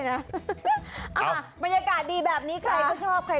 อาจจะคิดเพิ่มก็ดูซ้ำไป